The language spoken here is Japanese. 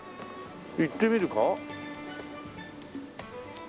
行ってみるか？